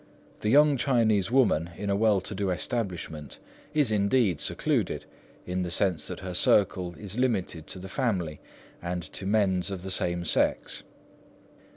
The young Chinese woman in a well to do establishment is indeed secluded, in the sense that her circle is limited to the family and to mends of the same sex.